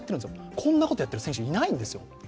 こんなことやってる人いないんですよ。